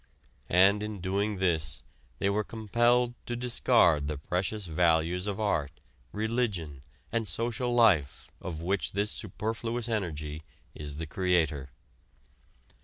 And in doing this they were compelled to discard the precious values of art, religion and social life of which this superfluous energy is the creator.